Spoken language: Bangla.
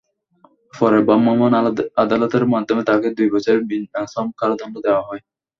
পরে ভ্রাম্যমাণ আদালতের মাধ্যমে তাঁকে দুই বছরের বিনাশ্রম কারাদণ্ড দেওয়া হয়।